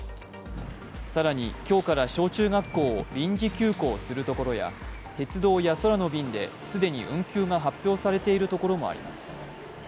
更に、今日から小中学校を臨時休校するところや、鉄道や空の便で既に運休が発表されているところもあります。